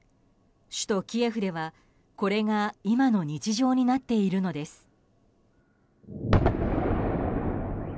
首都キエフではこれが今の日常になっているのです。